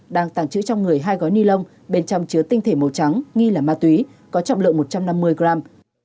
đang tàng trữ trong người hai gói ni lông bên trong chứa tinh thể màu trắng nghi là ma túy có trọng lượng một trăm năm mươi gram